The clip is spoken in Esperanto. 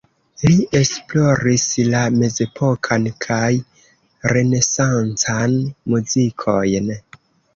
Li esploris la mezepokan kaj renesancan muzikojn.